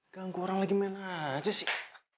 ganggu orang lagi main aja sih